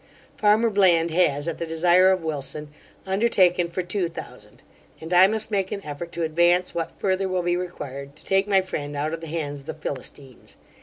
Farmer Bland has, at the desire of Wilson, undertaken for two thousand; and I must make an effort to advance what further will be required to take my friend out of the hands of the Philistines.